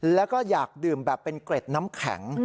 แล้วก็อยากดื่มแบบเป็นเกร็ดน้ำแข็ง